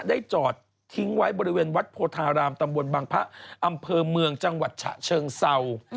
จอดทิ้งไว้บริเวณวัดโพธารามตำบลบังพระอำเภอเมืองจังหวัดฉะเชิงเศร้า